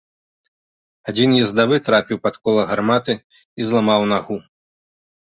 Адзін ездавы трапіў пад кола гарматы і зламаў нагу.